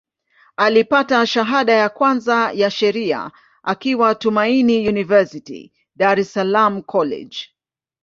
Alipata shahada ya kwanza ya Sheria akiwa Tumaini University, Dar es Salaam College.